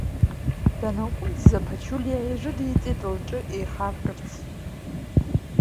Данаҟәымҵӡа Ԥачулиа ирыдиҵеит лҿы еихаркырц.